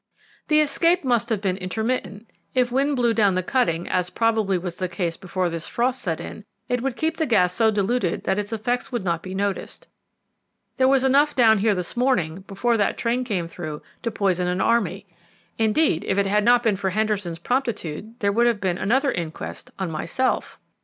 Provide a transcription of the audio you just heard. "The escape must have been intermittent. If wind blew down the cutting, as probably was the case before this frost set in, it would keep the gas so diluted that its effects would not be noticed. There was enough down here this morning, before that train came through, to poison an army. Indeed, if it had not been for Henderson's promptitude, there would have been another inquest on myself."